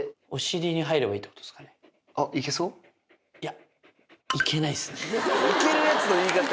いや。